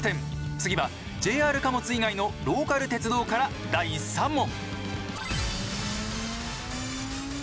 次はＪＲ貨物以外のローカル鉄道から第３問。